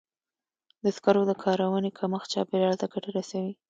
د سکرو د کارونې کمښت چاپېریال ته ګټه رسوي.